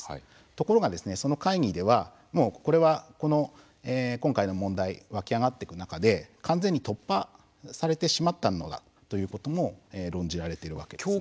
ところが、その会議ではこれは、この今回の問題湧き上がっていく中で完全に突破されてしまったのだというのも論じられているわけです。